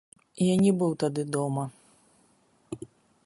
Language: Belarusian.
Я не быў тады дома.